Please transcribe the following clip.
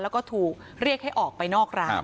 แล้วก็ถูกเรียกให้ออกไปนอกร้าน